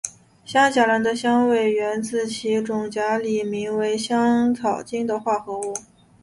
香荚兰的香味源自其种荚里名为香草精的化合物。